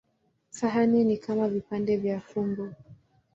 Sahani ni kama vipande vya fumbo.